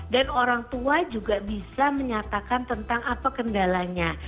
dan orang tua juga bisa menyatakan tentang apa kendalanya